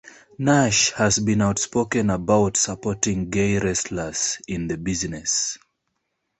Nash has been outspoken about supporting gay wrestlers in the business.